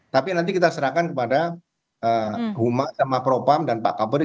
tapi nanti kita serahkan kepada huma dan makropam dan pak kapolri